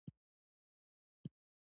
رطوبت د بدن بوی بدلولی شي.